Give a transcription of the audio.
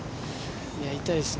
痛いですね。